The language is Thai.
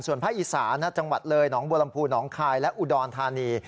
ส่วนภาคอีสานจังหวัดเลยหนองบัวลำพูหนองคายและอุดรธานี